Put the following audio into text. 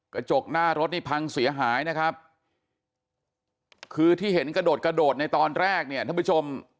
กระจกหน้ารถนี่พังเสียหายนะครับคือที่เห็นกระโดดกระโดดในตอนแรกเนี่ยท่านผู้ชม